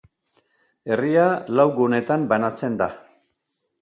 Herria lau gunetan banatzen da.